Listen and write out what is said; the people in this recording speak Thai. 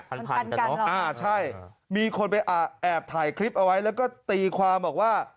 พันพันกันเนอะอ่าใช่มีคนไปแอบถ่ายคลิปเอาไว้แล้วก็ตีความบอกว่า